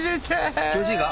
気持ちいいか？